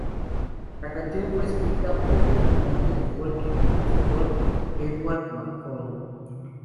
La canción fue escrita por el cantante de folk y compositor Ewan MacColl.